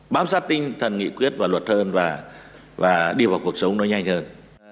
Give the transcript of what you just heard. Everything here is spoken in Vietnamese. bám sát tinh thần nghị quyết và luật hơn và đi vào cuộc sống nó nhanh hơn